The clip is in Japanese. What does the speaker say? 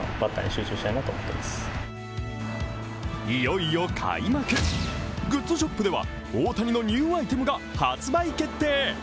いよいよ開幕、グッズショップでは大谷のニューアイテムが発売決定。